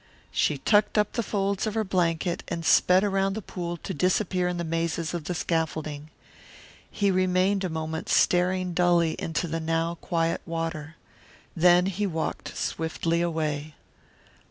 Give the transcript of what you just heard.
She tucked up the folds of her blanket and sped around the pool to disappear in the mazes of the scaffolding. He remained a moment staring dully into the now quiet water. Then he walked swiftly away.